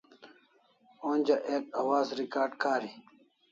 Onja ek awaz recard kari